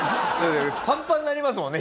パンパンになりますもんね